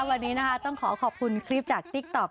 วันนี้นะคะต้องขอขอบคุณคลิปจากติ๊กต๊อก